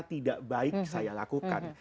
tidak baik saya lakukan